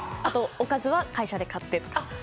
おかずは会社で買って。